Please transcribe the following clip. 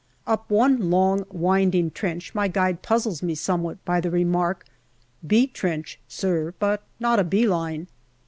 Up one long winding trench my guide puzzles me somewhat by the remark, "' B ' trench, sir, but not a bee line."